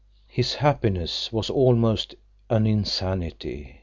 His happiness was almost an insanity.